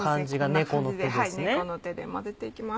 猫の手で混ぜていきます。